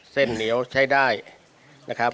เหนียวใช้ได้นะครับ